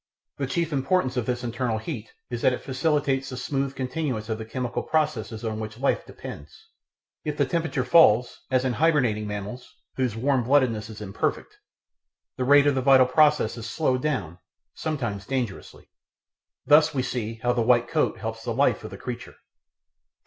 The chief importance of this internal heat is that it facilitates the smooth continuance of the chemical processes on which life depends. If the temperature falls, as in hibernating mammals (whose warm bloodedness is imperfect), the rate of the vital process is slowed down sometimes dangerously. Thus we see how the white coat helps the life of the creature.